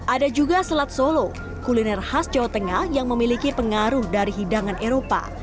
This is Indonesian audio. ada juga selat solo kuliner khas jawa tengah yang memiliki pengaruh dari hidangan eropa